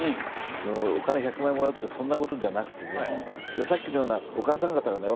そのお金１００万円もらうとかそんなことじゃなくてねさっきのようなお母さん方がね